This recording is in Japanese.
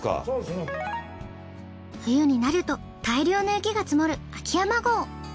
冬になると大量の雪が積もる秋山郷。